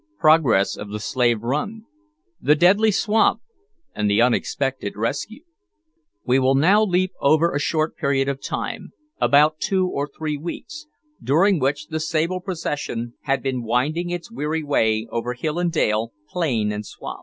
PROGRESS OF THE SLAVE RUN THE DEADLY SWAMP, AND THE UNEXPECTED RESCUE. We will now leap over a short period of time about two or three weeks during which the sable procession had been winding its weary way over hill and dale, plain and swamp.